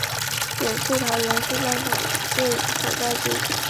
也是桃园市政府警察局捷运警察队队部所在地。